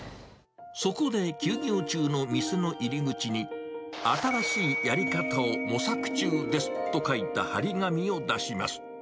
そこで休業中の店の入り口に、新しいやり方を模索中ですと書いた貼り紙を出します。